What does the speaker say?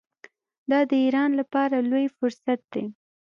دا د ایران لپاره لوی فرصت دی.